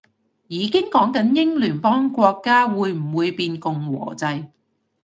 已經講緊英聯邦國家會唔會變共和制